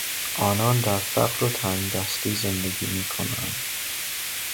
آنان در فقر و تنگدستی زندگی میکنند.